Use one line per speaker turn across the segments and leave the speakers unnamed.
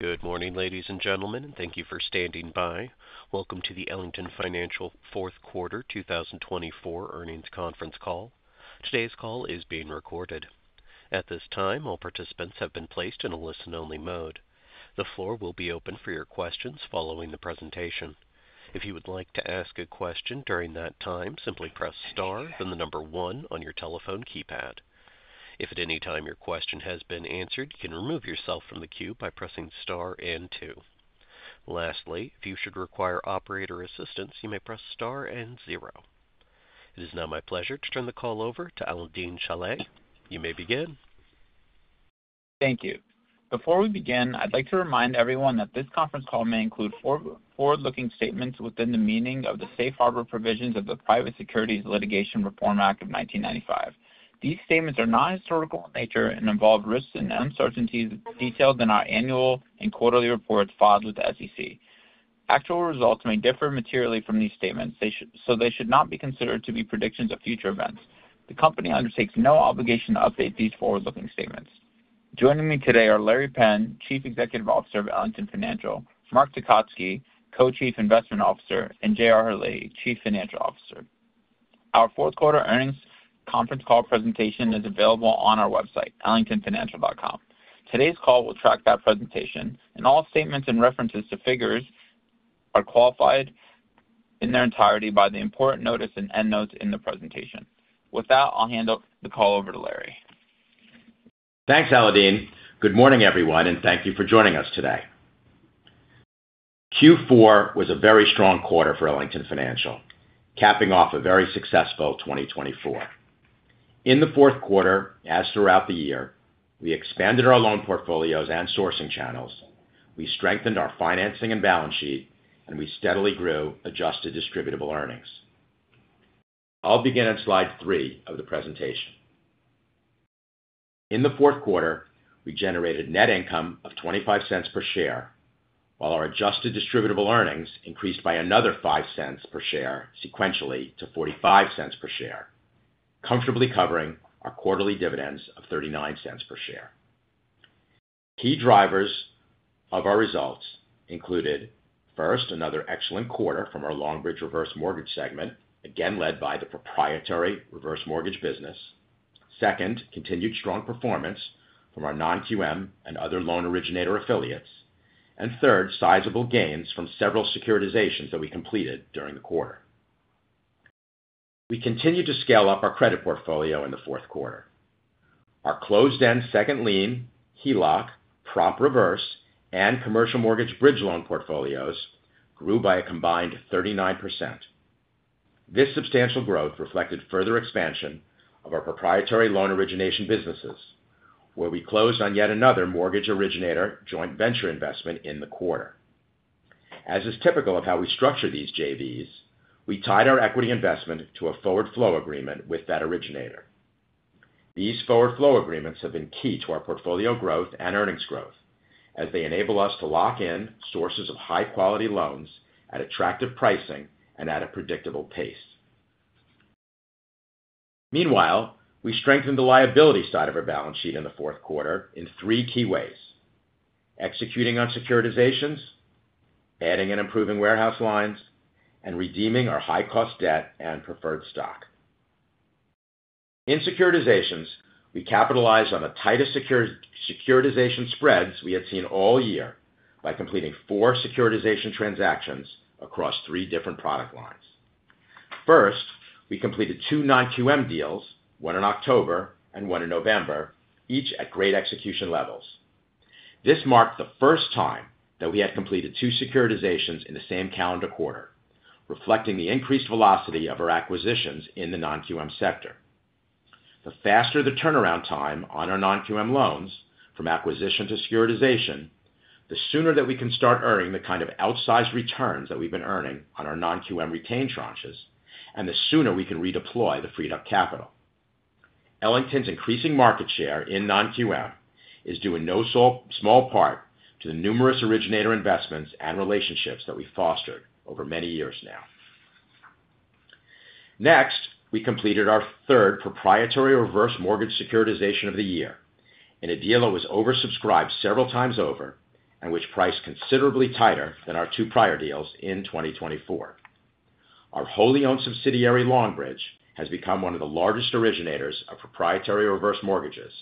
Good morning, ladies and gentlemen, and thank you for standing by. Welcome to the Ellington Financial Fourth Quarter 2024 earnings conference call. Today's call is being recorded. At this time, all participants have been placed in a listen-only mode. The floor will be open for your questions following the presentation. If you would like to ask a question during that time, simply press star, then the number one on your telephone keypad. If at any time your question has been answered, you can remove yourself from the queue by pressing star and two. Lastly, if you should require operator assistance, you may press star and zero. It is now my pleasure to turn the call over to Alaael-Deen Shilleh. You may begin.
Thank you. Before we begin, I'd like to remind everyone that this conference call may include forward-looking statements within the meaning of the safe harbor provisions of the Private Securities Litigation Reform Act of 1995. These statements are non-historical in nature and involve risks and uncertainties detailed in our annual and quarterly reports filed with the SEC. Actual results may differ materially from these statements, so they should not be considered to be predictions of future events. The company undertakes no obligation to update these forward-looking statements. Joining me today are Larry Penn, Chief Executive Officer of Ellington Financial; Marc Tecotzky, Co-Chief Investment Officer; and JR Herlihy, Chief Financial Officer. Our fourth quarter earnings conference call presentation is available on our website, ellingtonfinancial.com. Today's call will track that presentation, and all statements and references to figures are qualified in their entirety by the important notice and end notes in the presentation. With that, I'll hand the call over to Larry.
Thanks, Alaael-Deen. Good morning, everyone, and thank you for joining us today. Q4 was a very strong quarter for Ellington Financial, capping off a very successful 2024. In the fourth quarter, as throughout the year, we expanded our loan portfolios and sourcing channels, we strengthened our financing and balance sheet, and we steadily grew adjusted distributable earnings. I'll begin at slide three of the presentation. In the fourth quarter, we generated net income of $0.25 per share, while our adjusted distributable earnings increased by another $0.05 per share sequentially to $0.45 per share, comfortably covering our quarterly dividends of $0.39 per share. Key drivers of our results included, first, another excellent quarter from our Longbridge reverse mortgage segment, again led by the proprietary reverse mortgage business. Second, continued strong performance from our non-QM and other loan originator affiliates. Third, sizable gains from several securitizations that we completed during the quarter. We continued to scale up our credit portfolio in the fourth quarter. Our closed-end second lien, HELOC, prop reverse, and commercial mortgage bridge loan portfolios grew by a combined 39%. This substantial growth reflected further expansion of our proprietary loan origination businesses, where we closed on yet another mortgage originator joint venture investment in the quarter. As is typical of how we structure these JVs, we tied our equity investment to a forward flow agreement with that originator. These forward flow agreements have been key to our portfolio growth and earnings growth, as they enable us to lock in sources of high-quality loans at attractive pricing and at a predictable pace. Meanwhile, we strengthened the liability side of our balance sheet in the fourth quarter in three key ways: executing on securitizations, adding and improving warehouse lines, and redeeming our high-cost debt and preferred stock. In securitizations, we capitalized on the tightest securitization spreads we had seen all year by completing four securitization transactions across three different product lines. First, we completed two non-QM deals, one in October and one in November, each at great execution levels. This marked the first time that we had completed two securitizations in the same calendar quarter, reflecting the increased velocity of our acquisitions in the non-QM sector. The faster the turnaround time on our non-QM loans from acquisition to securitization, the sooner that we can start earning the kind of outsized returns that we've been earning on our non-QM retained tranches, and the sooner we can redeploy the freed-up capital. Ellington's increasing market share in non-QM is due in no small part to the numerous originator investments and relationships that we've fostered over many years now. Next, we completed our third proprietary reverse mortgage securitization of the year in a deal that was oversubscribed several times over and which priced considerably tighter than our two prior deals in 2024. Our wholly-owned subsidiary Longbridge has become one of the largest originators of proprietary reverse mortgages,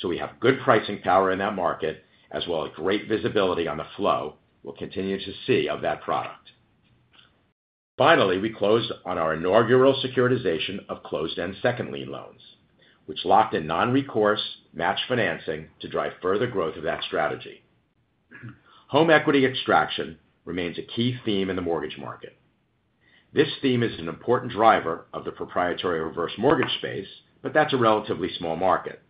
so we have good pricing power in that market as well as great visibility on the flow we'll continue to see of that product. Finally, we closed on our inaugural securitization of closed-end second lien loans, which locked in non-recourse match financing to drive further growth of that strategy. Home equity extraction remains a key theme in the mortgage market. This theme is an important driver of the proprietary reverse mortgage space, but that's a relatively small market.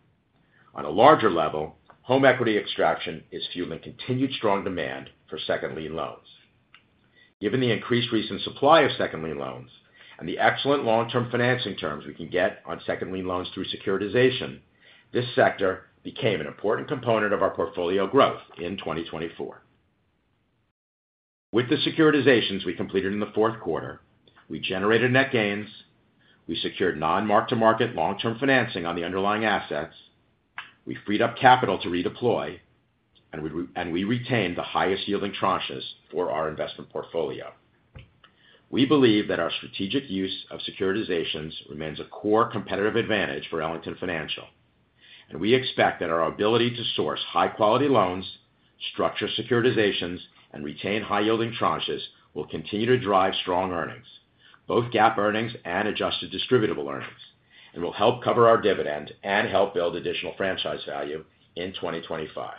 On a larger level, home equity extraction is fueling continued strong demand for second lien loans. Given the increased recent supply of second lien loans and the excellent long-term financing terms we can get on second lien loans through securitization, this sector became an important component of our portfolio growth in 2024. With the securitizations we completed in the fourth quarter, we generated net gains, we secured non-mark-to-market long-term financing on the underlying assets, we freed up capital to redeploy, and we retained the highest-yielding tranches for our investment portfolio. We believe that our strategic use of securitizations remains a core competitive advantage for Ellington Financial, and we expect that our ability to source high-quality loans, structure securitizations, and retain high-yielding tranches will continue to drive strong earnings, both GAAP earnings and adjusted distributable earnings, and will help cover our dividend and help build additional franchise value in 2025.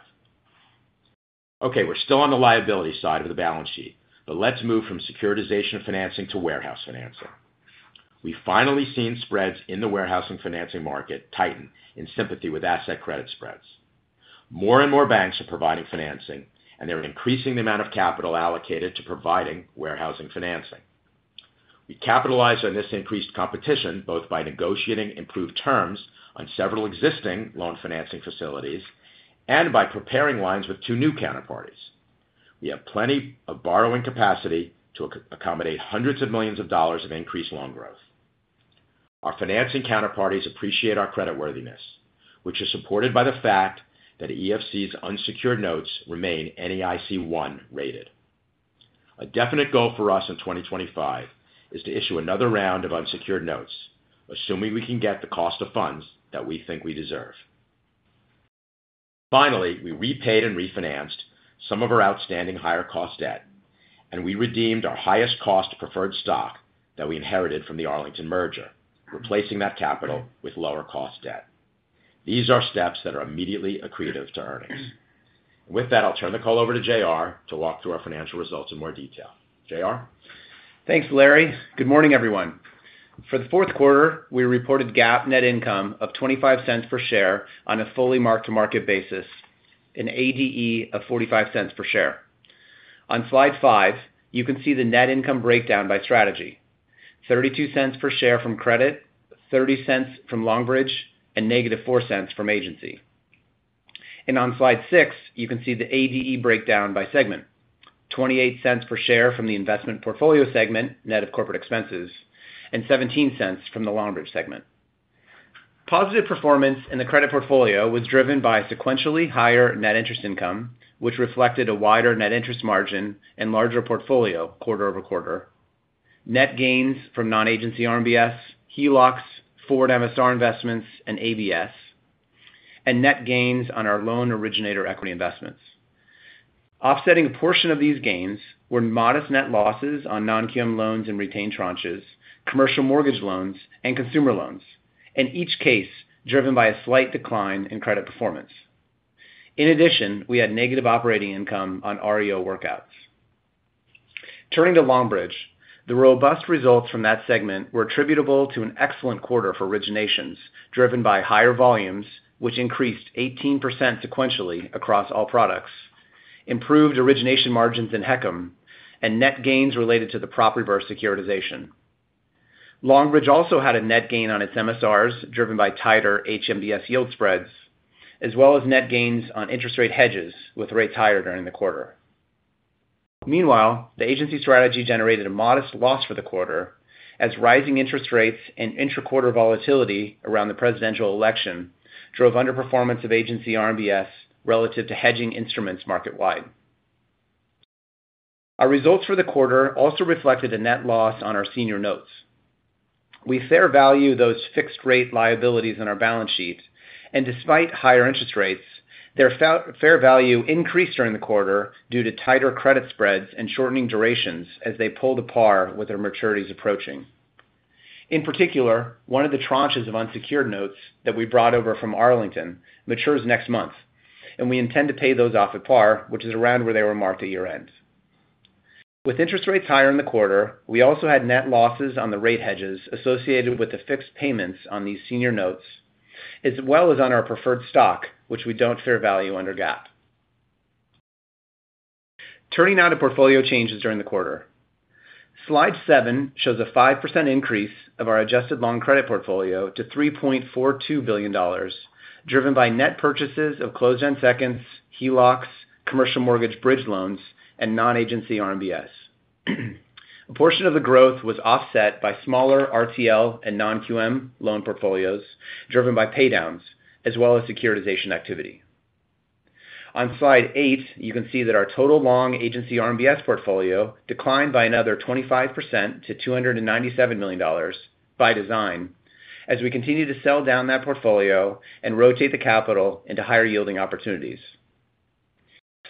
Okay, we're still on the liability side of the balance sheet, but let's move from securitization financing to warehouse financing. We've finally seen spreads in the warehouse financing market tighten in sympathy with asset credit spreads. More and more banks are providing financing, and they're increasing the amount of capital allocated to providing warehouse financing. We capitalized on this increased competition both by negotiating improved terms on several existing loan financing facilities and by preparing lines with two new counterparties. We have plenty of borrowing capacity to accommodate hundreds of millions of dollars of increased loan growth. Our financing counterparties appreciate our creditworthiness, which is supported by the fact that EFC's unsecured notes remain NEIC1 rated. A definite goal for us in 2025 is to issue another round of unsecured notes, assuming we can get the cost of funds that we think we deserve. Finally, we repaid and refinanced some of our outstanding higher-cost debt, and we redeemed our highest-cost preferred stock that we inherited from the Arlington merger, replacing that capital with lower-cost debt. These are steps that are immediately accretive to earnings. With that, I'll turn the call over to JR to walk through our financial results in more detail. JR?
Thanks, Larry. Good morning, everyone. For the fourth quarter, we reported GAAP net income of $0.25 per share on a fully mark-to-market basis and ADE of $0.45 per share. On slide five, you can see the net income breakdown by strategy: $0.32 per share from credit, $0.30 from Longbridge, and negative $0.04 from agency. On slide six, you can see the ADE breakdown by segment: $0.28 per share from the investment portfolio segment, net of corporate expenses, and $0.17 from the Longbridge segment. Positive performance in the credit portfolio was driven by sequentially higher net interest income, which reflected a wider net interest margin and larger portfolio quarter over quarter, net gains from non-agency RMBS, HELOCs, forward MSR investments, and ABS, and net gains on our loan originator equity investments. Offsetting a portion of these gains were modest net losses on non-QM loans and retained tranches, commercial mortgage loans, and consumer loans, in each case driven by a slight decline in credit performance. In addition, we had negative operating income on REO workouts. Turning to Longbridge, the robust results from that segment were attributable to an excellent quarter for originations driven by higher volumes, which increased 18% sequentially across all products, improved origination margins in HECM, and net gains related to the prop reverse securitization. Longbridge also had a net gain on its MSRs driven by tighter HMBS yield spreads, as well as net gains on interest rate hedges with rates higher during the quarter. Meanwhile, the agency strategy generated a modest loss for the quarter as rising interest rates and intra-quarter volatility around the presidential election drove underperformance of agency RMBS relative to hedging instruments marketwide. Our results for the quarter also reflected a net loss on our senior notes. We fair value those fixed-rate liabilities on our balance sheet, and despite higher interest rates, their fair value increased during the quarter due to tighter credit spreads and shortening durations as they pulled apart with their maturities approaching. In particular, one of the tranches of unsecured notes that we brought over from Arlington matures next month, and we intend to pay those off at par, which is around where they were marked at year-end. With interest rates higher in the quarter, we also had net losses on the rate hedges associated with the fixed payments on these senior notes, as well as on our preferred stock, which we do not fair value under GAAP. Turning now to portfolio changes during the quarter, slide seven shows a 5% increase of our adjusted loan credit portfolio to $3.42 billion, driven by net purchases of closed-end seconds, HELOCs, commercial mortgage bridge loans, and non-agency RMBS. A portion of the growth was offset by smaller RTL and non-QM loan portfolios driven by paydowns as well as securitization activity. On slide eight, you can see that our total long agency RMBS portfolio declined by another 25% to $297 million by design as we continue to sell down that portfolio and rotate the capital into higher-yielding opportunities.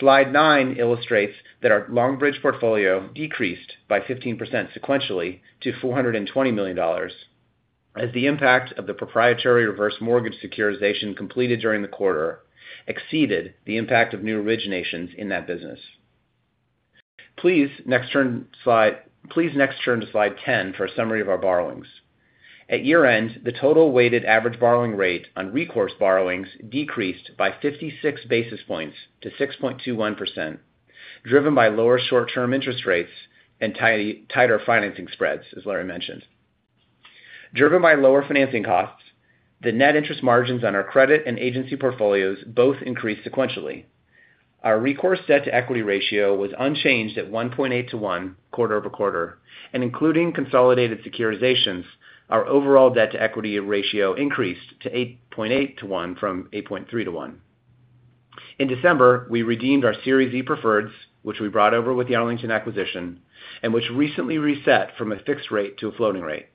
Slide nine illustrates that our Longbridge portfolio decreased by 15% sequentially to $420 million as the impact of the proprietary reverse mortgage securitization completed during the quarter exceeded the impact of new originations in that business. Please next turn to slide 10 for a summary of our borrowings. At year-end, the total weighted average borrowing rate on recourse borrowings decreased by 56 basis points to 6.21%, driven by lower short-term interest rates and tighter financing spreads, as Larry mentioned. Driven by lower financing costs, the net interest margins on our credit and agency portfolios both increased sequentially. Our recourse debt-to-equity ratio was unchanged at 1.8-1 quarter over quarter, and including consolidated securitizations, our overall debt-to-equity ratio increased to 8.8-1 from 8.3-1. In December, we redeemed our Series E preferred, which we brought over with the Arlington acquisition and which recently reset from a fixed rate to a floating rate.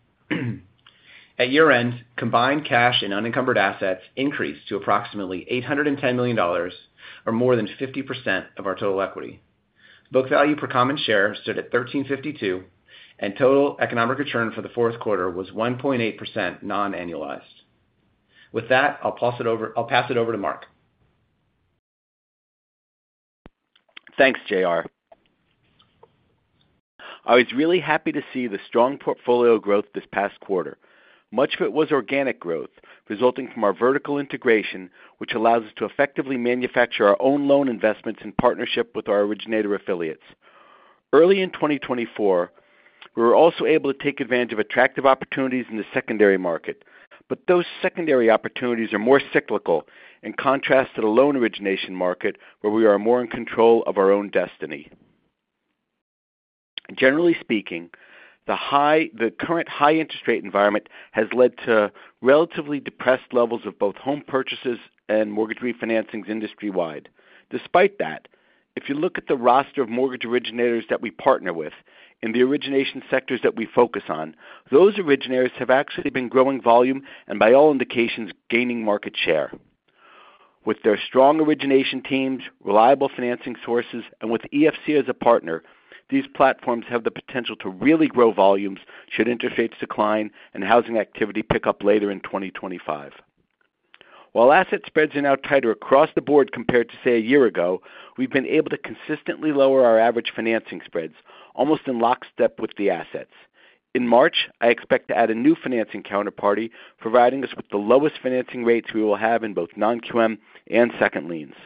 At year-end, combined cash and unencumbered assets increased to approximately $810 million, or more than 50% of our total equity. Book value per common share stood at $13.52, and total economic return for the fourth quarter was 1.8% non-annualized. With that, I'll pass it over to Marc.
Thanks, JR. I was really happy to see the strong portfolio growth this past quarter. Much of it was organic growth resulting from our vertical integration, which allows us to effectively manufacture our own loan investments in partnership with our originator affiliates. Early in 2024, we were also able to take advantage of attractive opportunities in the secondary market, but those secondary opportunities are more cyclical in contrast to the loan origination market, where we are more in control of our own destiny. Generally speaking, the current high-interest rate environment has led to relatively depressed levels of both home purchases and mortgage refinancing industry-wide. Despite that, if you look at the roster of mortgage originators that we partner with in the origination sectors that we focus on, those originators have actually been growing volume and, by all indications, gaining market share. With their strong origination teams, reliable financing sources, and with EFC as a partner, these platforms have the potential to really grow volumes should interest rates decline and housing activity pick up later in 2025. While asset spreads are now tighter across the board compared to, say, a year ago, we've been able to consistently lower our average financing spreads, almost in lockstep with the assets. In March, I expect to add a new financing counterparty, providing us with the lowest financing rates we will have in both non-QM and second liens.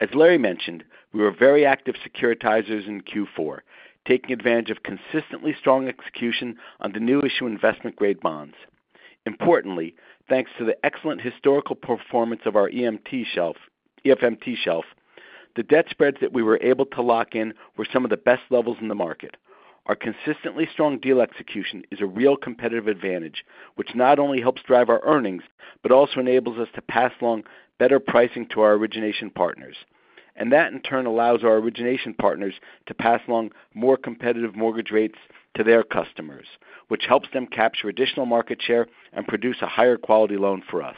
As Larry mentioned, we were very active securitizer in Q4, taking advantage of consistently strong execution on the new-issue investment-grade bonds. Importantly, thanks to the excellent historical performance of our EFMT shelf, the debt spreads that we were able to lock in were some of the best levels in the market. Our consistently strong deal execution is a real competitive advantage, which not only helps drive our earnings but also enables us to pass along better pricing to our origination partners. That, in turn, allows our origination partners to pass along more competitive mortgage rates to their customers, which helps them capture additional market share and produce a higher-quality loan for us.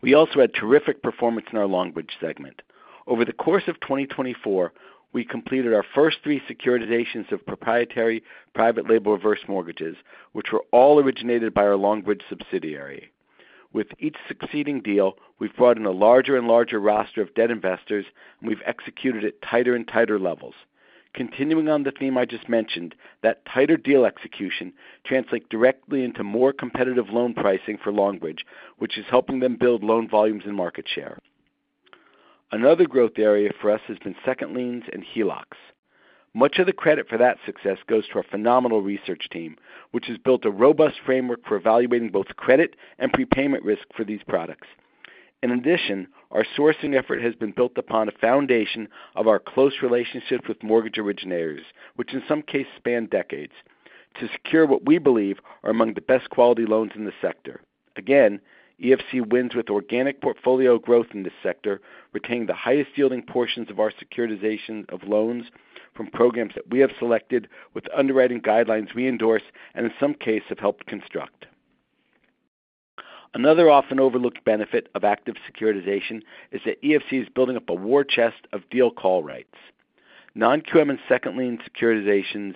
We also had terrific performance in our Longbridge segment. Over the course of 2024, we completed our first three securitizations of proprietary private label reverse mortgages, which were all originated by our Longbridge subsidiary. With each succeeding deal, we've brought in a larger and larger roster of debt investors, and we've executed at tighter and tighter levels. Continuing on the theme I just mentioned, that tighter deal execution translates directly into more competitive loan pricing for Longbridge, which is helping them build loan volumes and market share. Another growth area for us has been second liens and HELOCs. Much of the credit for that success goes to our phenomenal research team, which has built a robust framework for evaluating both credit and prepayment risk for these products. In addition, our sourcing effort has been built upon a foundation of our close relationships with mortgage originators, which in some cases span decades, to secure what we believe are among the best-quality loans in the sector. Again, EFC wins with organic portfolio growth in this sector, retaining the highest-yielding portions of our securitization of loans from programs that we have selected with underwriting guidelines we endorse and, in some cases, have helped construct. Another often-overlooked benefit of active securitization is that EFC is building up a war chest of deal-call rights. Non-QM and second lien securitizations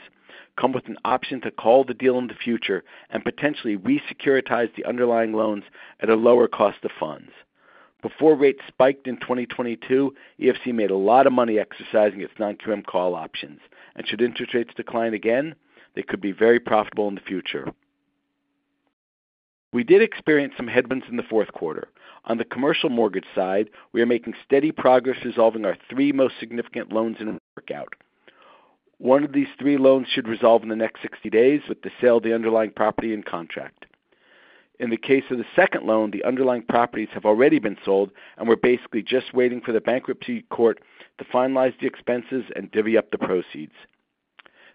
come with an option to call the deal in the future and potentially re-securitize the underlying loans at a lower cost of funds. Before rates spiked in 2022, EFC made a lot of money exercising its non-QM call options, and should interest rates decline again, they could be very profitable in the future. We did experience some headwinds in the fourth quarter. On the commercial mortgage side, we are making steady progress resolving our three most significant loans in a workout. One of these three loans should resolve in the next 60 days with the sale of the underlying property and contract. In the case of the second loan, the underlying properties have already been sold and we're basically just waiting for the bankruptcy court to finalize the expenses and divvy up the proceeds.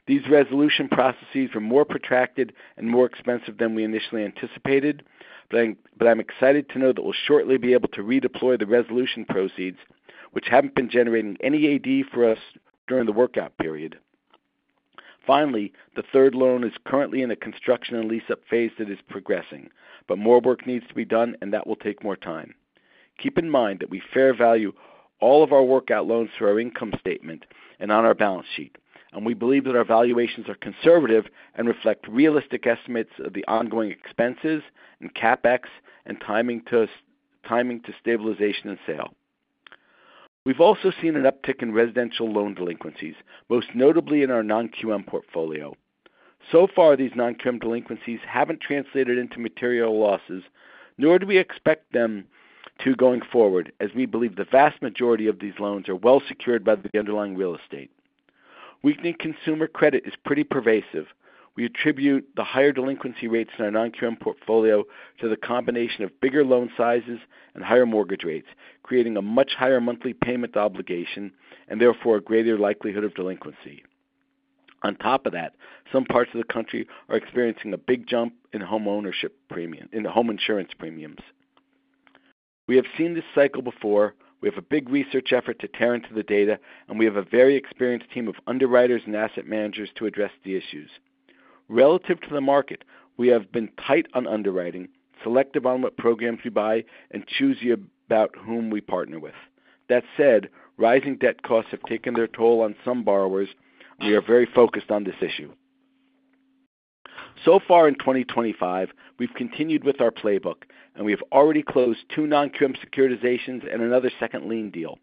These resolution processes were more protracted and more expensive than we initially anticipated, but I'm excited to know that we'll shortly be able to redeploy the resolution proceeds, which haven't been generating any ADE for us during the workout period. Finally, the third loan is currently in a construction and lease-up phase that is progressing, but more work needs to be done, and that will take more time. Keep in mind that we fair value all of our workout loans through our income statement and on our balance sheet, and we believe that our valuations are conservative and reflect realistic estimates of the ongoing expenses and CapEx and timing to stabilization and sale. We've also seen an uptick in residential loan delinquencies, most notably in our non-QM portfolio. So far, these non-QM delinquencies have not translated into material losses, nor do we expect them to going forward, as we believe the vast majority of these loans are well secured by the underlying real estate. Weakening consumer credit is pretty pervasive. We attribute the higher delinquency rates in our non-QM portfolio to the combination of bigger loan sizes and higher mortgage rates, creating a much higher monthly payment obligation and, therefore, a greater likelihood of delinquency. On top of that, some parts of the country are experiencing a big jump in home insurance premiums. We have seen this cycle before. We have a big research effort to tear into the data, and we have a very experienced team of underwriters and asset managers to address the issues. Relative to the market, we have been tight on underwriting, selective on what programs we buy, and choose about whom we partner with. That said, rising debt costs have taken their toll on some borrowers, and we are very focused on this issue. So far in 2024, we've continued with our playbook, and we have already closed two non-QM securitizations and another second lien deal.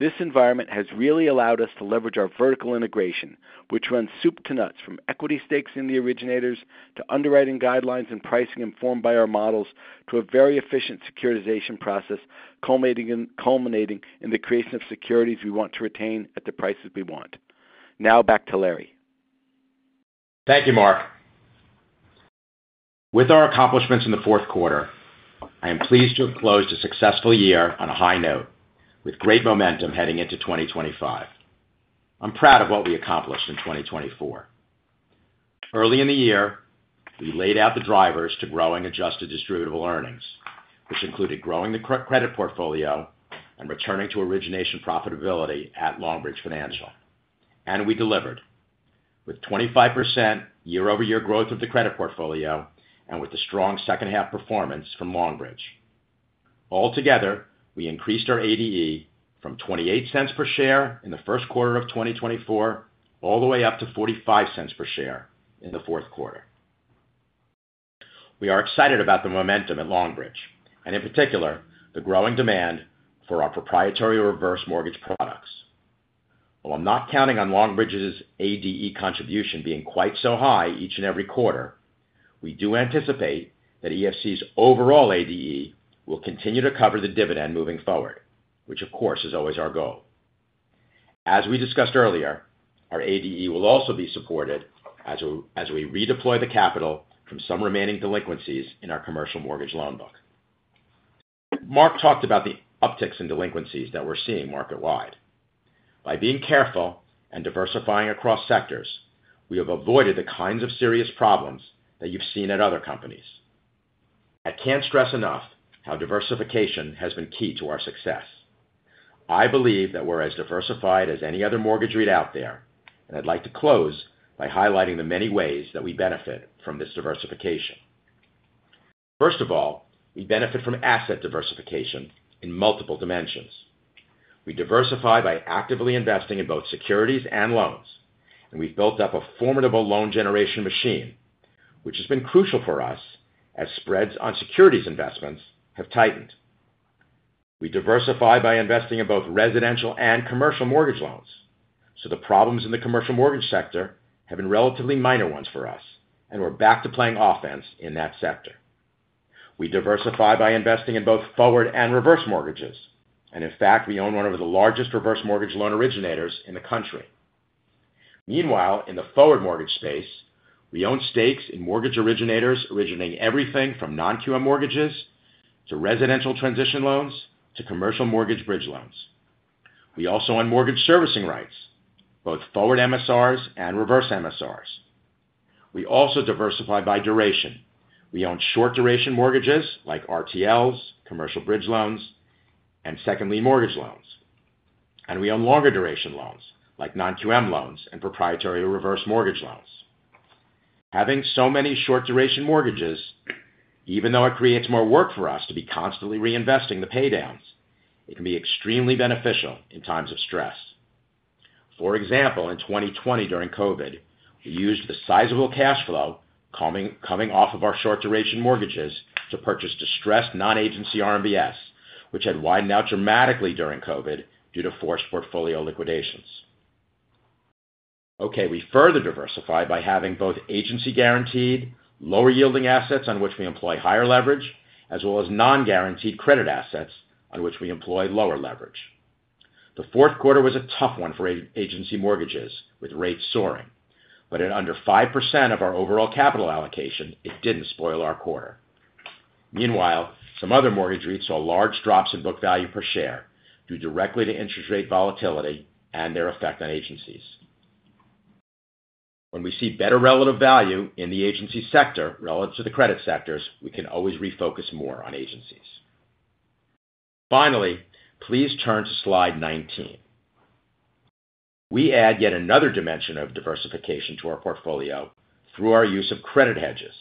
This environment has really allowed us to leverage our vertical integration, which runs soup to nuts, from equity stakes in the originators to underwriting guidelines and pricing informed by our models to a very efficient securitization process, culminating in the creation of securities we want to retain at the prices we want. Now, back to Larry.
Thank you, Marc. With our accomplishments in the fourth quarter, I am pleased to have closed a successful year on a high note, with great momentum heading into 2025. I'm proud of what we accomplished in 2024. Early in the year, we laid out the drivers to growing adjusted distributable earnings, which included growing the credit portfolio and returning to origination profitability at Longbridge Financial. We delivered with 25% year-over-year growth of the credit portfolio and with a strong second-half performance from Longbridge. Altogether, we increased our ADE from $0.28 per share in the first quarter of 2024 all the way up to $0.45 per share in the fourth quarter. We are excited about the momentum at Longbridge, and in particular, the growing demand for our proprietary reverse mortgage products. While I'm not counting on Longbridge's ADE contribution being quite so high each and every quarter, we do anticipate that EFC's overall ADE will continue to cover the dividend moving forward, which, of course, is always our goal. As we discussed earlier, our ADE will also be supported as we redeploy the capital from some remaining delinquencies in our commercial mortgage loan book. Marc talked about the upticks in delinquencies that we're seeing market-wide. By being careful and diversifying across sectors, we have avoided the kinds of serious problems that you've seen at other companies. I can't stress enough how diversification has been key to our success. I believe that we're as diversified as any other mortgage REIT out there, and I'd like to close by highlighting the many ways that we benefit from this diversification. First of all, we benefit from asset diversification in multiple dimensions. We diversify by actively investing in both securities and loans, and we've built up a formidable loan generation machine, which has been crucial for us as spreads on securities investments have tightened. We diversify by investing in both residential and commercial mortgage loans, so the problems in the commercial mortgage sector have been relatively minor ones for us, and we're back to playing offense in that sector. We diversify by investing in both forward and reverse mortgages, and in fact, we own one of the largest reverse mortgage loan originators in the country. Meanwhile, in the forward mortgage space, we own stakes in mortgage originators originating everything from non-QM mortgages to residential transition loans to commercial mortgage bridge loans. We also own mortgage servicing rights, both forward MSRs and reverse MSRs. We also diversify by duration. We own short-duration mortgages like RTLs, commercial bridge loans, and second lien mortgage loans, and we own longer-duration loans like non-QM loans and proprietary reverse mortgage loans. Having so many short-duration mortgages, even though it creates more work for us to be constantly reinvesting the paydowns, it can be extremely beneficial in times of stress. For example, in 2020 during COVID, we used the sizable cash flow coming off of our short-duration mortgages to purchase distressed non-agency RMBS, which had widened out dramatically during COVID due to forced portfolio liquidations. We further diversify by having both agency-guaranteed, lower-yielding assets on which we employ higher leverage, as well as non-guaranteed credit assets on which we employ lower leverage. The fourth quarter was a tough one for agency mortgages with rates soaring, but at under 5% of our overall capital allocation, it did not spoil our quarter. Meanwhile, some other mortgage REITs saw large drops in book value per share due directly to interest rate volatility and their effect on agencies. When we see better relative value in the agency sector relative to the credit sectors, we can always refocus more on agencies. Finally, please turn to slide 19. We add yet another dimension of diversification to our portfolio through our use of credit hedges,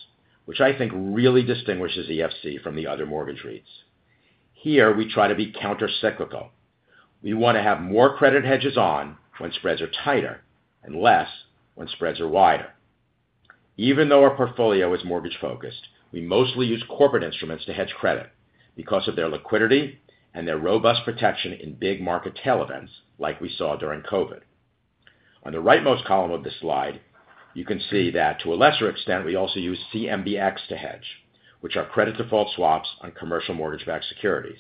which I think really distinguishes EFC from the other mortgage REITs. Here, we try to be countercyclical. We want to have more credit hedges on when spreads are tighter and less when spreads are wider. Even though our portfolio is mortgage-focused, we mostly use corporate instruments to hedge credit because of their liquidity and their robust protection in big market tail events like we saw during COVID. On the rightmost column of this slide, you can see that to a lesser extent, we also use CMBX to hedge, which are credit default swaps on commercial mortgage-backed securities.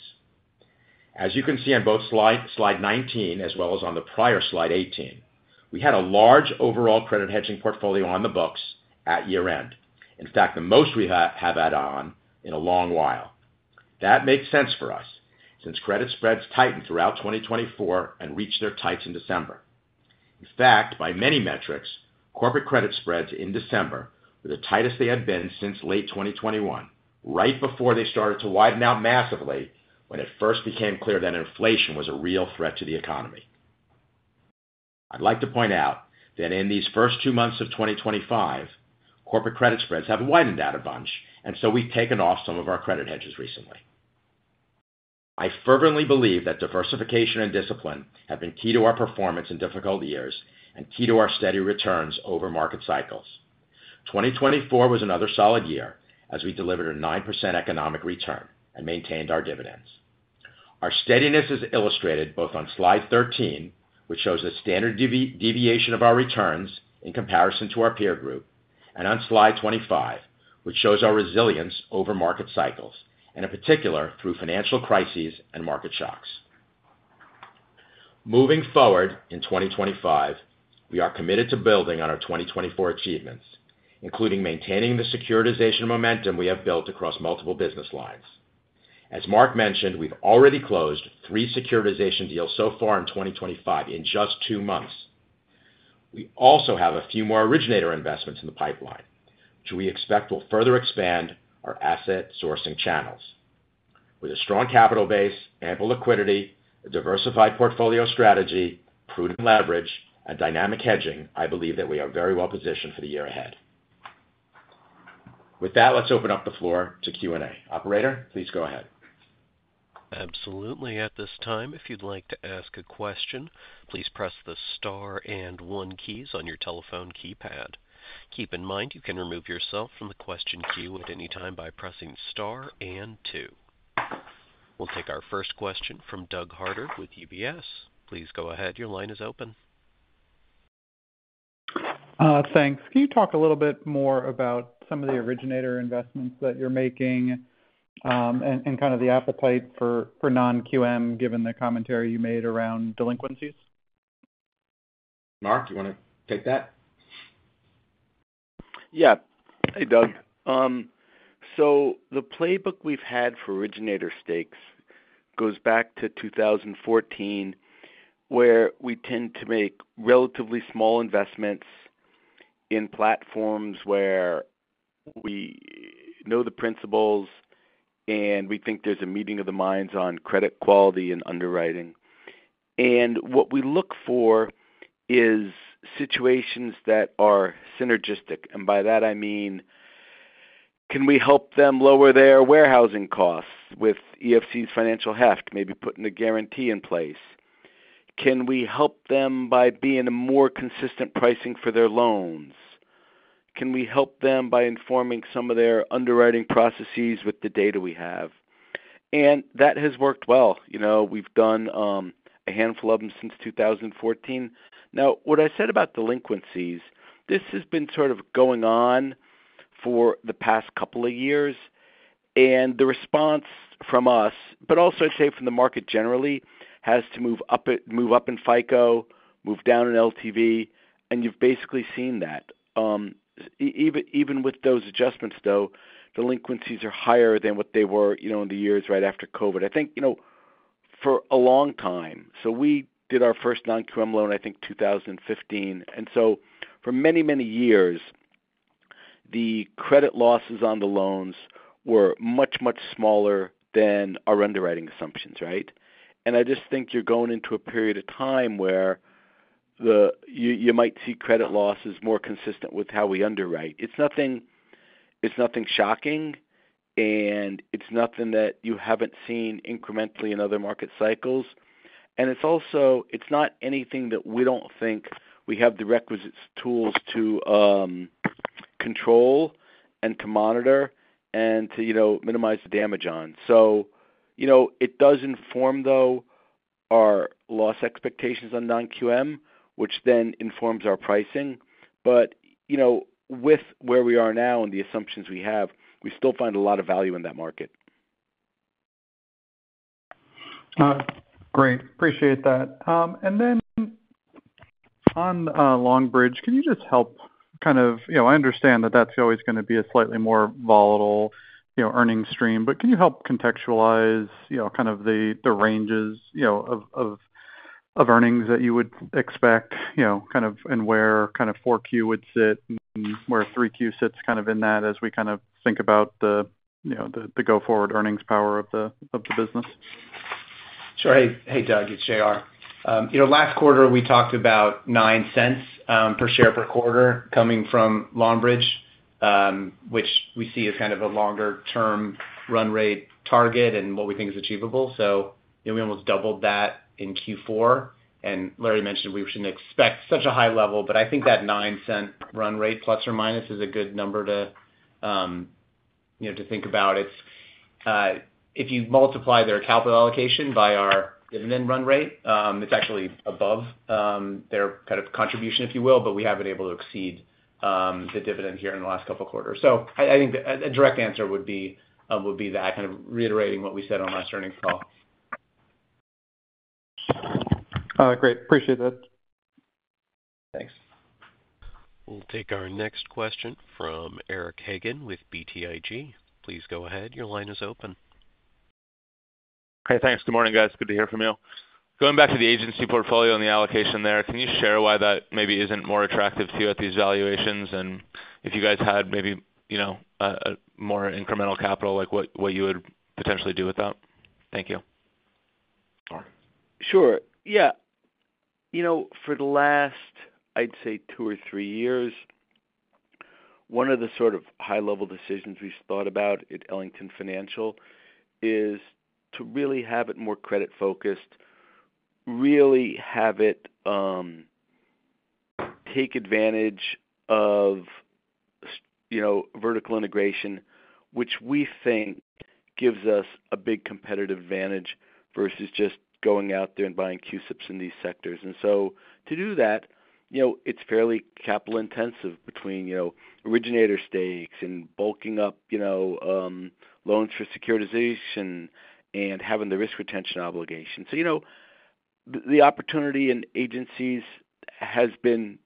As you can see on both slide 19 as well as on the prior slide 18, we had a large overall credit hedging portfolio on the books at year-end. In fact, the most we have had on in a long while. That makes sense for us since credit spreads tightened throughout 2024 and reached their tights in December. In fact, by many metrics, corporate credit spreads in December were the tightest they had been since late 2021, right before they started to widen out massively when it first became clear that inflation was a real threat to the economy. I'd like to point out that in these first two months of 2025, corporate credit spreads have widened out a bunch, and so we've taken off some of our credit hedges recently. I fervently believe that diversification and discipline have been key to our performance in difficult years and key to our steady returns over market cycles. 2024 was another solid year as we delivered a 9% economic return and maintained our dividends. Our steadiness is illustrated both on slide 13, which shows the standard deviation of our returns in comparison to our peer group, and on slide 25, which shows our resilience over market cycles, and in particular through financial crises and market shocks. Moving forward in 2025, we are committed to building on our 2024 achievements, including maintaining the securitization momentum we have built across multiple business lines. As Marc mentioned, we've already closed three securitization deals so far in 2025 in just two months. We also have a few more originator investments in the pipeline, which we expect will further expand our asset sourcing channels. With a strong capital base, ample liquidity, a diversified portfolio strategy, prudent leverage, and dynamic hedging, I believe that we are very well positioned for the year ahead. With that, let's open up the floor to Q&A. Operator, please go ahead.
Absolutely. At this time, if you'd like to ask a question, please press the star and one keys on your telephone keypad. Keep in mind you can remove yourself from the question queue at any time by pressing star and two. We'll take our first question from Doug Harter with UBS. Please go ahead. Your line is open.
Thanks. Can you talk a little bit more about some of the originator investments that you're making and kind of the appetite for non-QM given the commentary you made around delinquencies?
Marc, do you want to take that?
Yeah. Hey, Doug. The playbook we've had for originator stakes goes back to 2014, where we tend to make relatively small investments in platforms where we know the principals and we think there's a meeting of the minds on credit quality and underwriting. What we look for is situations that are synergistic. By that, I mean, can we help them lower their warehousing costs with EFC's financial heft, maybe putting a guarantee in place? Can we help them by being a more consistent pricing for their loans? Can we help them by informing some of their underwriting processes with the data we have? That has worked well. We've done a handful of them since 2014. Now, what I said about delinquencies, this has been sort of going on for the past couple of years, and the response from us, but also I'd say from the market generally, has to move up in FICO, move down in LTV, and you've basically seen that. Even with those adjustments, though, delinquencies are higher than what they were in the years right after COVID, I think, for a long time. We did our first non-QM loan, I think, in 2015. For many, many years, the credit losses on the loans were much, much smaller than our underwriting assumptions, right? I just think you're going into a period of time where you might see credit losses more consistent with how we underwrite. It's nothing shocking, and it's nothing that you haven't seen incrementally in other market cycles. It is not anything that we do not think we have the requisite tools to control and to monitor and to minimize the damage on. It does inform, though, our loss expectations on non-QM, which then informs our pricing. With where we are now and the assumptions we have, we still find a lot of value in that market.
Great. Appreciate that. Can you just help kind of I understand that that's always going to be a slightly more volatile earnings stream, but can you help contextualize kind of the ranges of earnings that you would expect kind of and where kind of 4Q would sit and where 3Q sits kind of in that as we kind of think about the go-forward earnings power of the business?
Sure. Hey, Doug. It's JR. Last quarter, we talked about $0.09 per share per quarter coming from Longbridge, which we see as kind of a longer-term run rate target and what we think is achievable. We almost doubled that in Q4. Larry mentioned we shouldn't expect such a high level, but I think that $0.09 run rate, plus or minus, is a good number to think about. If you multiply their capital allocation by our dividend run rate, it's actually above their kind of contribution, if you will, but we haven't been able to exceed the dividend here in the last couple of quarters. I think the direct answer would be that, kind of reiterating what we said on last earnings call.
Great. Appreciate that.
Thanks.
We'll take our next question from Eric Hagen with BTIG. Please go ahead. Your line is open.
Hey, thanks. Good morning, guys. Good to hear from you. Going back to the agency portfolio and the allocation there, can you share why that maybe is not more attractive to you at these valuations? If you guys had maybe more incremental capital, what you would potentially do with that? Thank you.
Sure. Yeah. For the last, I'd say, two or three years, one of the sort of high-level decisions we've thought about at Ellington Financial is to really have it more credit-focused, really have it take advantage of vertical integration, which we think gives us a big competitive advantage versus just going out there and buying QSIPs in these sectors. To do that, it's fairly capital-intensive between originator stakes and bulking up loans for securitization and having the risk retention obligation. The opportunity in agencies has been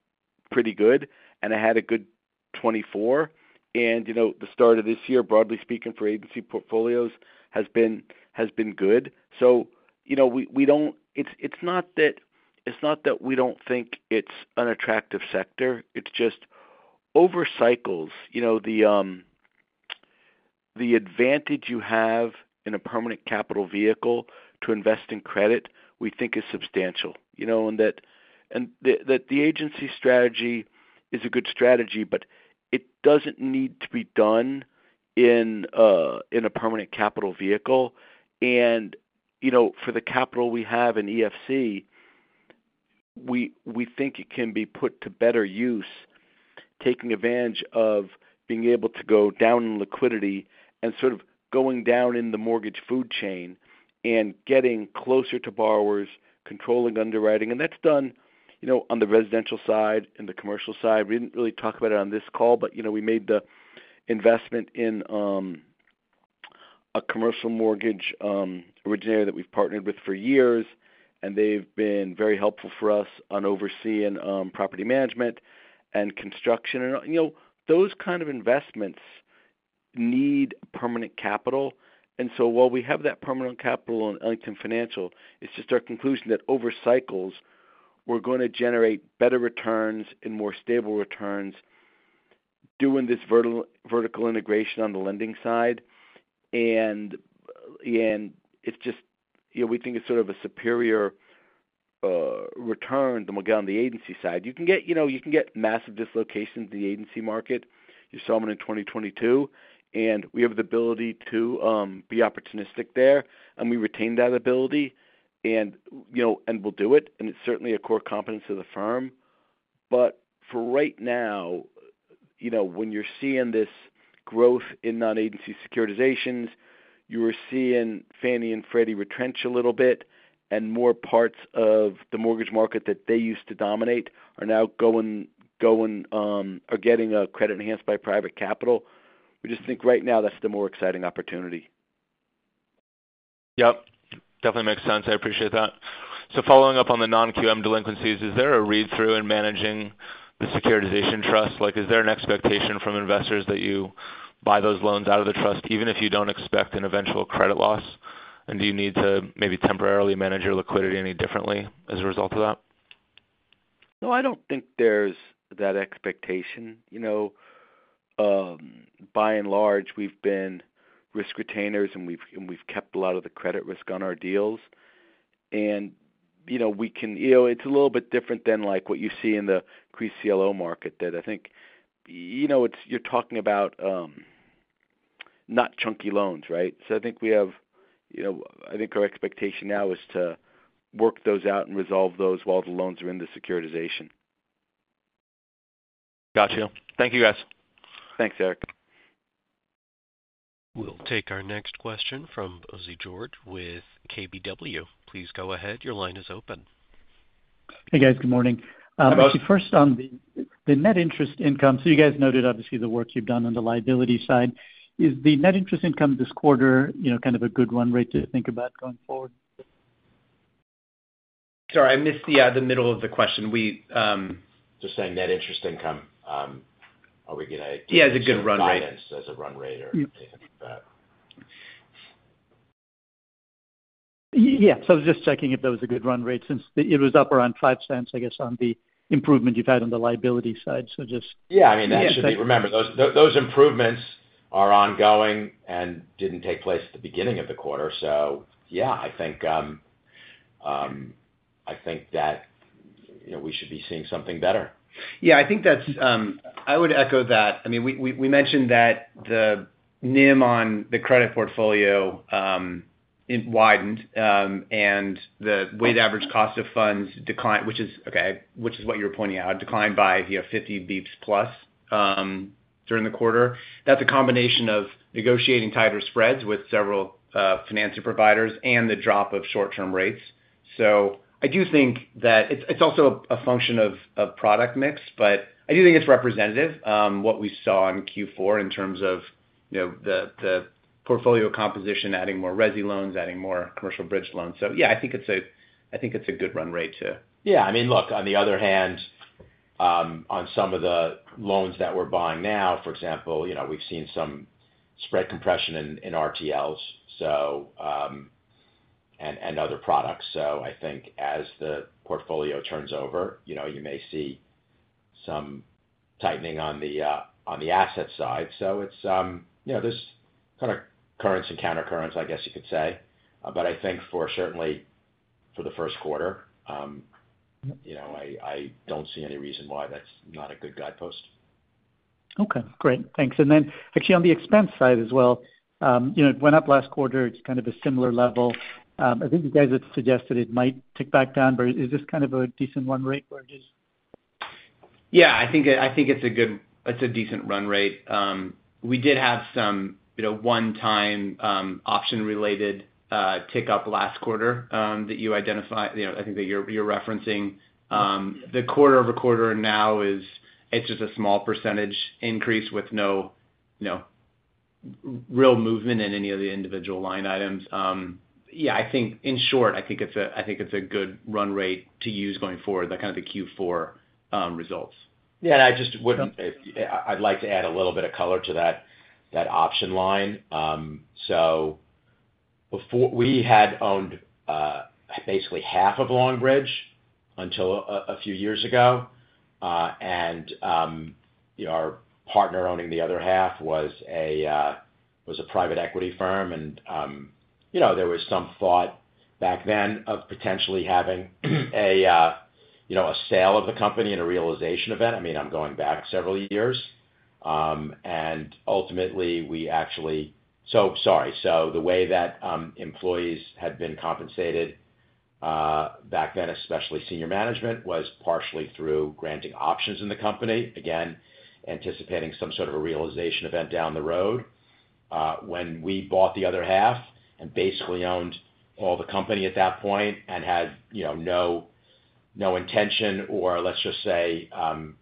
pretty good, and it had a good 2024. The start of this year, broadly speaking, for agency portfolios has been good. It's not that we don't think it's an attractive sector. It's just over cycles, the advantage you have in a permanent capital vehicle to invest in credit, we think is substantial. The agency strategy is a good strategy, but it doesn't need to be done in a permanent capital vehicle. For the capital we have in EFC, we think it can be put to better use, taking advantage of being able to go down in liquidity and sort of going down in the mortgage food chain and getting closer to borrowers, controlling underwriting. That is done on the residential side and the commercial side. We didn't really talk about it on this call, but we made the investment in a commercial mortgage originator that we've partnered with for years, and they've been very helpful for us on overseeing property management and construction. Those kind of investments need permanent capital. While we have that permanent capital in Ellington Financial, it's just our conclusion that over cycles, we're going to generate better returns and more stable returns doing this vertical integration on the lending side. We think it's sort of a superior return than we'll get on the agency side. You can get massive dislocations in the agency market. You saw them in 2022. We have the ability to be opportunistic there, and we retain that ability, and we'll do it. It is certainly a core competence of the firm. For right now, when you're seeing this growth in non-agency securitizations, you were seeing Fannie and Freddie retrench a little bit, and more parts of the mortgage market that they used to dominate are now going or getting a credit enhanced by private capital. We just think right now that's the more exciting opportunity.
Yep. Definitely makes sense. I appreciate that. Following up on the non-QM delinquencies, is there a read-through in managing the securitization trust? Is there an expectation from investors that you buy those loans out of the trust even if you do not expect an eventual credit loss? Do you need to maybe temporarily manage your liquidity any differently as a result of that?
No, I don't think there's that expectation. By and large, we've been risk retainers, and we've kept a lot of the credit risk on our deals. We can, it's a little bit different than what you see in the CRE CLO market, that I think you're talking about, not chunky loans, right? I think our expectation now is to work those out and resolve those while the loans are in the securitization.
Gotcha. Thank you, guys.
Thanks, Eric.
We'll take our next question from Bose George with KBW. Please go ahead. Your line is open.
Hey, guys. Good morning. First, on the net interest income, you guys noted, obviously, the work you've done on the liability side. Is the net interest income this quarter kind of a good run rate to think about going forward?
Sorry, I missed the middle of the question. We just. Just saying net interest income. Are we going to?
Yeah, it's a good run rate.
As a finance, as a run rate or anything like that?
Yeah. I was just checking if that was a good run rate since it was up around $0.05, I guess, on the improvement you've had on the liability side. Just.
Yeah. I mean, remember, those improvements are ongoing and did not take place at the beginning of the quarter. So yeah, I think that we should be seeing something better.
Yeah. I think that's, I would echo that. I mean, we mentioned that the NIM on the credit portfolio widened, and the weighted average cost of funds declined, which is okay, which is what you're pointing out, declined by 50 basis points plus during the quarter. That's a combination of negotiating tighter spreads with several financing providers and the drop of short-term rates. I do think that it's also a function of product mix, but I do think it's representative of what we saw in Q4 in terms of the portfolio composition, adding more RESI loans, adding more commercial bridge loans. Yeah, I think it's a good run rate too.
Yeah. I mean, look, on the other hand, on some of the loans that we're buying now, for example, we've seen some spread compression in RTLs and other products. I think as the portfolio turns over, you may see some tightening on the asset side. There are kind of currents and countercurrents, I guess you could say. I think certainly for the first quarter, I don't see any reason why that's not a good guidepost.
Okay. Great. Thanks. Actually, on the expense side as well, it went up last quarter to kind of a similar level. I think you guys had suggested it might tick back down, but is this kind of a decent run rate where it is?
Yeah. I think it's a good, it's a decent run rate. We did have some one-time option-related tick up last quarter that you identified. I think that you're referencing. The quarter over quarter now is, it's just a small percentage increase with no real movement in any of the individual line items. Yeah, I think in short, I think it's a good run rate to use going forward, that kind of the Q4 results.
Yeah. I just would say I'd like to add a little bit of color to that option line. We had owned basically half of Longbridge until a few years ago. Our partner owning the other half was a private equity firm. There was some thought back then of potentially having a sale of the company and a realization event. I mean, I'm going back several years. Ultimately, the way that employees had been compensated back then, especially senior management, was partially through granting options in the company, again, anticipating some sort of a realization event down the road. When we bought the other half and basically owned all the company at that point and had no intention or, let's just say,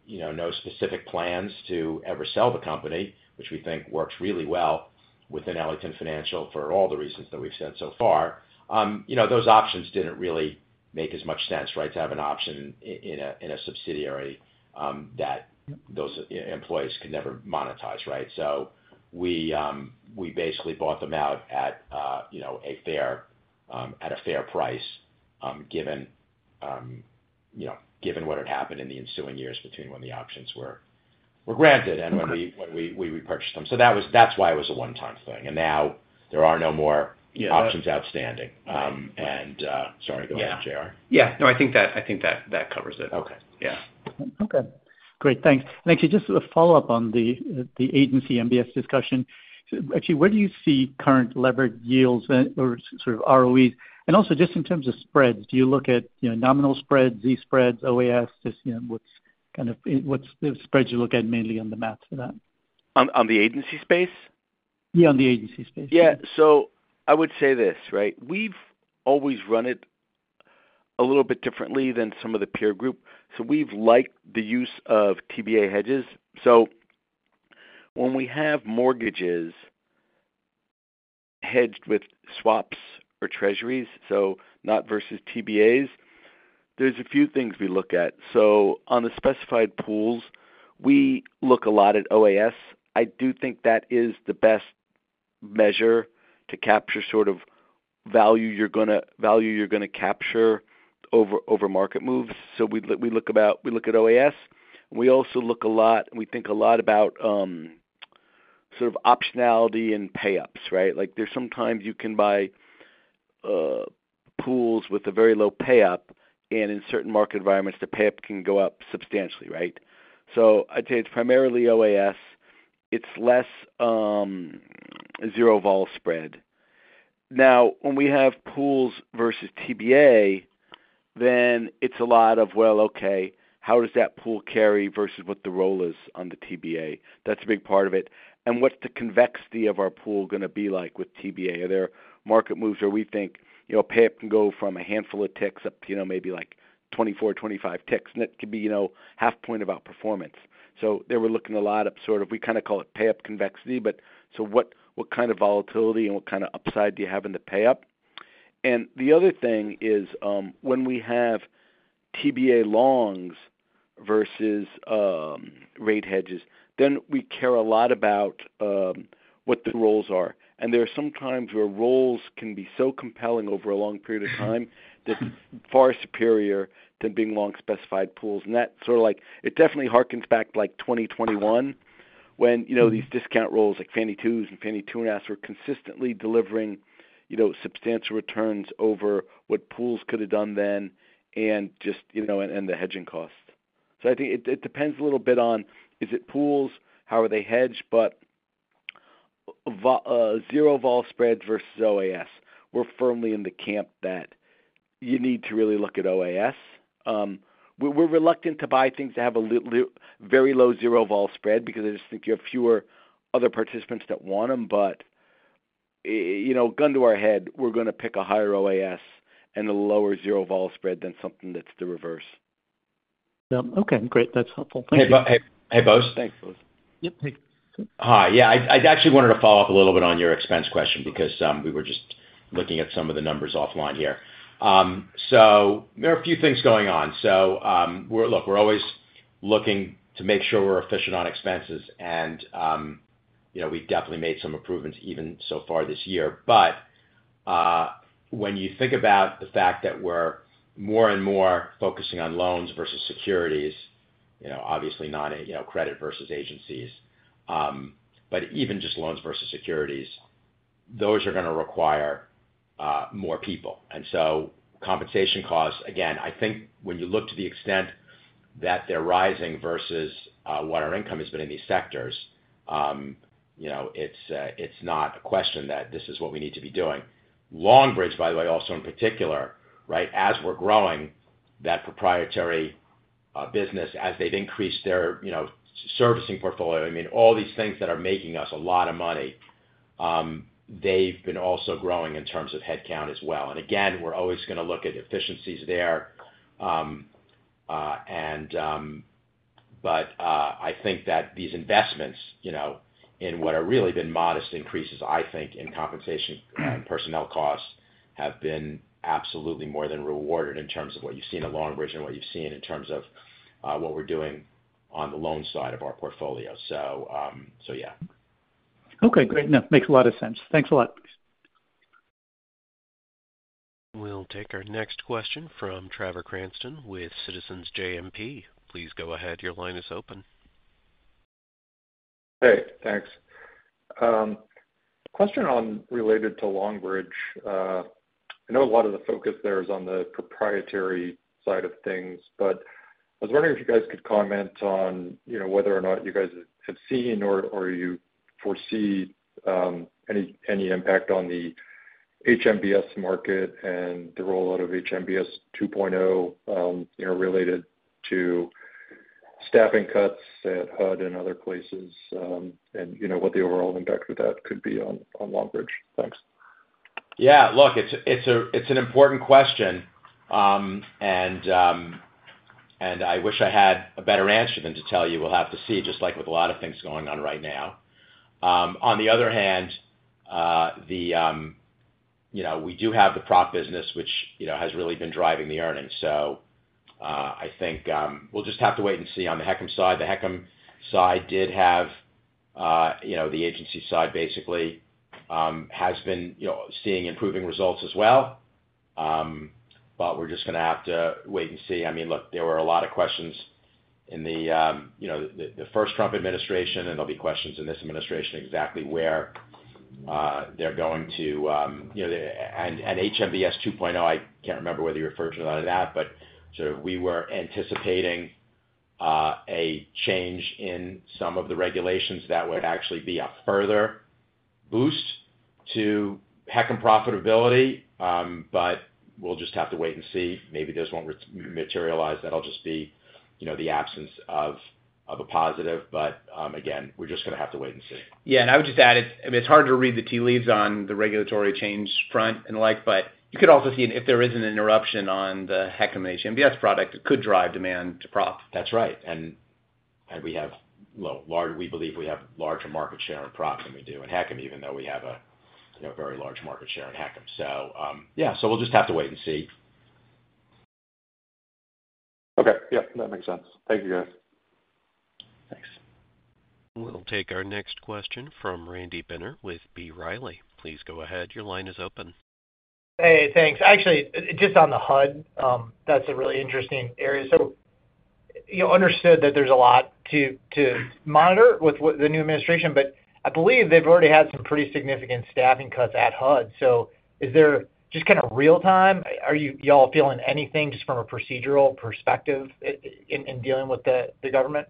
no specific plans to ever sell the company, which we think worked really well within Ellington Financial for all the reasons that we've said so far, those options didn't really make as much sense, right, to have an option in a subsidiary that those employees could never monetize, right? We basically bought them out at a fair price given what had happened in the ensuing years between when the options were granted and when we repurchased them. That's why it was a one-time thing. Now there are no more options outstanding. Sorry to go ahead, JR.
Yeah. No, I think that covers it.
Okay.
Okay. Great. Thanks. Actually, just a follow-up on the agency MBS discussion. Actually, where do you see current levered yields or sort of ROEs? Also, just in terms of spreads, do you look at nominal spreads, Z-spreads, OAS? What's kind of the spreads you look at mainly on the math for that?
On the agency space?
Yeah, on the agency space.
Yeah. I would say this, right? We've always run it a little bit differently than some of the peer group. We've liked the use of TBA hedges. When we have mortgages hedged with swaps or treasuries, so not versus TBAs, there are a few things we look at. On the specified pools, we look a lot at OAS. I do think that is the best measure to capture sort of value you're going to capture over market moves. We look at OAS. We also look a lot and we think a lot about sort of optionality and payups, right? Sometimes you can buy pools with a very low payup, and in certain market environments, the payup can go up substantially, right? I'd say it's primarily OAS. It's less zero-vol spread. Now, when we have pools versus TBA, then it's a lot of, well, okay, how does that pool carry versus what the role is on the TBA? That's a big part of it. What's the convexity of our pool going to be like with TBA? Are there market moves where we think payup can go from a handful of ticks up to maybe like 24-25 ticks? It can be half point about performance. They were looking a lot at sort of, we kind of call it payup convexity, but what kind of volatility and what kind of upside do you have in the payup? The other thing is when we have TBA longs versus rate hedges, we care a lot about what the roles are. There are sometimes where roles can be so compelling over a long period of time that it's far superior than being long specified pools. That sort of like definitely harkens back to like 2021 when these discount roles like Fannie 2s and Fannie 3s were consistently delivering substantial returns over what pools could have done then and just and the hedging cost. I think it depends a little bit on is it pools, how are they hedged, but zero-vol spreads versus OAS. We're firmly in the camp that you need to really look at OAS. We're reluctant to buy things that have a very low zero-vol spread because I just think you have fewer other participants that want them. Gun to our head, we're going to pick a higher OAS and a lower zero-vol spread than something that's the reverse.
Yep. Okay. Great. That's helpful. Thank you.
Hey, bose.
Yep. Hey.
Hi. Yeah. I actually wanted to follow up a little bit on your expense question because we were just looking at some of the numbers offline here. There are a few things going on. Look, we're always looking to make sure we're efficient on expenses. We definitely made some improvements even so far this year. When you think about the fact that we're more and more focusing on loans versus securities, obviously not credit versus agencies, but even just loans versus securities, those are going to require more people. Compensation costs, again, I think when you look to the extent that they're rising versus what our income has been in these sectors, it's not a question that this is what we need to be doing. Longbridge, by the way, also in particular, right, as we're growing that proprietary business, as they've increased their servicing portfolio, I mean, all these things that are making us a lot of money, they've been also growing in terms of headcount as well. We're always going to look at efficiencies there. I think that these investments in what have really been modest increases, I think, in compensation and personnel costs have been absolutely more than rewarded in terms of what you've seen at Longbridge and what you've seen in terms of what we're doing on the loan side of our portfolio. Yeah.
Okay. Great. No, makes a lot of sense. Thanks a lot.
We'll take our next question from Trevor Cranston with Citizens JMP. Please go ahead. Your line is open.
Hey. Thanks. Question related to Longbridge. I know a lot of the focus there is on the proprietary side of things, but I was wondering if you guys could comment on whether or not you guys have seen or you foresee any impact on the HMBS market and the rollout of HMBS 2.0 related to staffing cuts at HUD and other places and what the overall impact of that could be on Longbridge. Thanks.
Yeah. Look, it's an important question. I wish I had a better answer than to tell you we'll have to see, just like with a lot of things going on right now. On the other hand, we do have the prop business, which has really been driving the earnings. I think we'll just have to wait and see on the HECM side. The HECM side did have the agency side basically has been seeing improving results as well. We're just going to have to wait and see. I mean, look, there were a lot of questions in the first Trump administration, and there'll be questions in this administration exactly where they're going to. HMBS 2.0, I can't remember whether you referred to that or not, but we were anticipating a change in some of the regulations that would actually be a further boost to HECM profitability. We will just have to wait and see. Maybe those will not materialize. That will just be the absence of a positive. But again, we are just going to have to wait and see.
Yeah. I would just add, it's hard to read the tea leaves on the regulatory change front and the like, but you could also see if there is an interruption on the HECM and HMBS product, it could drive demand to prop.
That's right. We believe we have a larger market share in prop than we do in HECM, even though we have a very large market share in HECM. Yeah, we'll just have to wait and see.
Okay. Yeah. That makes sense. Thank you, guys.
Thanks. We'll take our next question from Randy Binner with B. Riley. Please go ahead. Your line is open.
Hey. Thanks. Actually, just on the HUD, that's a really interesting area. You understood that there's a lot to monitor with the new administration, but I believe they've already had some pretty significant staffing cuts at HUD. Is there just kind of real-time? Are you all feeling anything just from a procedural perspective in dealing with the government?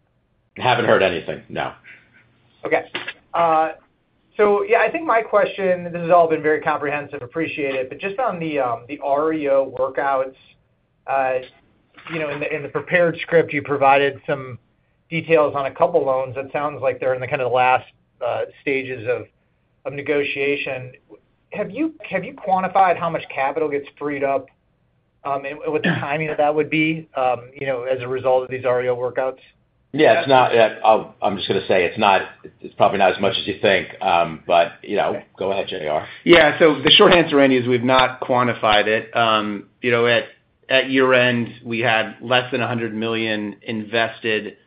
Haven't heard anything. No.
Okay. Yeah, I think my question, this has all been very comprehensive. Appreciate it. Just on the REO workouts, in the prepared script, you provided some details on a couple of loans. It sounds like they're in the kind of last stages of negotiation. Have you quantified how much capital gets freed up and what the timing of that would be as a result of these REO workouts?
Yeah. I'm just going to say it's probably not as much as you think, but go ahead, JR.
Yeah. The short answer, Randy, is we've not quantified it. At year-end, we had less than $100 million invested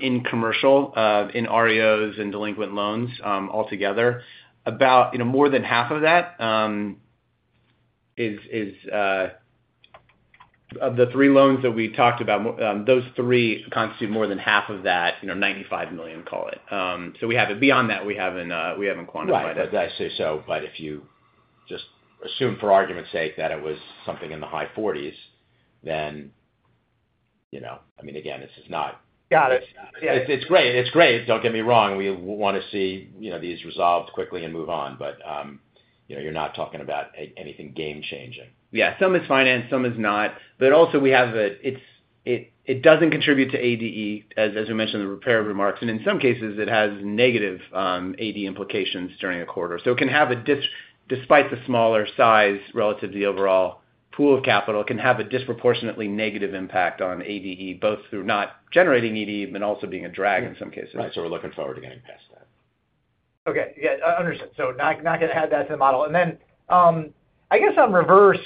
in commercial, in REOs and delinquent loans altogether. More than half of that is the three loans that we talked about, those three constitute more than half of that $95 million, call it. Beyond that, we haven't quantified it.
Right. As I say, if you just assume for argument's sake that it was something in the high 40s, then I mean, again, this is not.
Got it. Yeah.
It's great. It's great. Don't get me wrong. We want to see these resolved quickly and move on. You're not talking about anything game-changing.
Yeah. Some is financed. Some is not. Also, we have a it does not contribute to ADE, as we mentioned in the prepared remarks. In some cases, it has negative ADE implications during a quarter. It can have a, despite the smaller size relative to the overall pool of capital, disproportionately negative impact on ADE, both through not generating ADE, but also being a drag in some cases. Right. We're looking forward to getting past that.
Okay. Yeah. I understand. Not going to add that to the model. I guess on reverse,